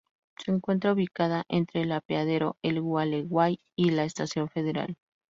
Se encuentra ubicada entre el apeadero El Gualeguay y la Estación Federal.